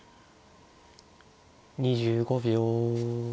２５秒。